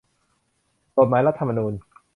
กฎหมายรัฐธรรมนูญ